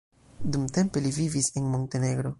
Dumtempe li vivis en Montenegro.